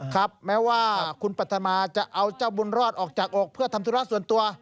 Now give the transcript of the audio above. ครับแม้ว่าคุณปรัฐนาจะเอาเจ้าบุญรอดออกจากอกเพื่อทำธุระส่วนตัว